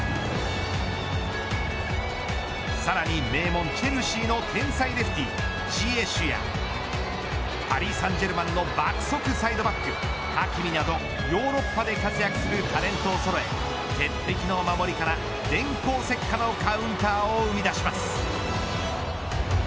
さらに名門チェルシーの天才レフティージエシュやパリ・サンジェルマンの爆速サイドバックハキミなどヨーロッパで活躍するタレントをそろえ鉄壁の守りから電光石火のカウンターを生み出します。